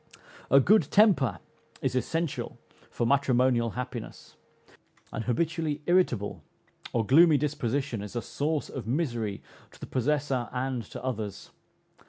A good temper is essential for matrimonial happiness. An habitually irritable or gloomy disposition is a source of misery to the possessor and to others.